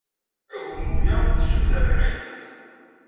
Agummu-a tecmet rriḥa-nnes.